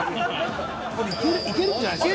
これいけるんじゃないですか？